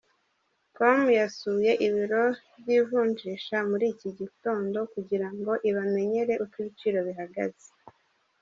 com yasuye ibiro by'ivunjisha muri iki gitondo kugira ngo ibamenyere uko ibiciro bihagaze.